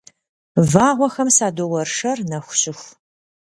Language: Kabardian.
Вагъуэхэм садоуэршэр нэху щыху.